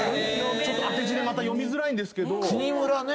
ちょっと当て字でまた読みづらいんですけど。